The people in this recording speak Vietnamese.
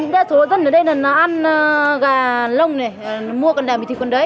đa số dân ở đây là ăn gà lông này mua cả đầy thịt quần đấy